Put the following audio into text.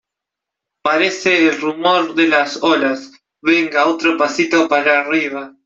parece el rumor de las olas. venga, otro pasito para arriba .